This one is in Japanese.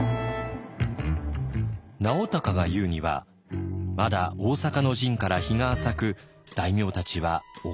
直孝が言うには「まだ大坂の陣から日が浅く大名たちはお金に窮している。